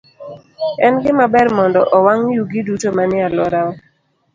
En gima ber mondo owang' yugi duto manie alworawa.